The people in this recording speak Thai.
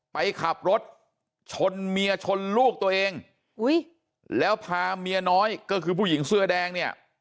ไปขับรถชนเมียชนลูกตัวเองอุ้ยแล้วพาเมียน้อยก็คือผู้หญิงเสื้อแดงเนี่ย